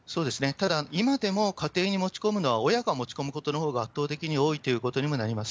ただ、今でも家庭に持ち込むのは、親が持ち込むことのほうが圧倒的に多いということにもなります。